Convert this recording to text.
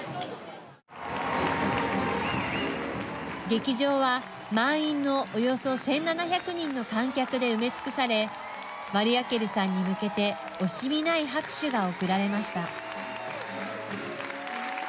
劇場は満員のおよそ１７００人の観客で埋め尽くされマリアケルさんに向けて惜しみない拍手が送られました。